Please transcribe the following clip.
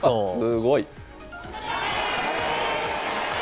すごい。